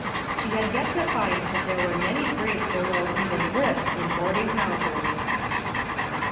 She had yet to find that there were many grades below even this in boarding houses.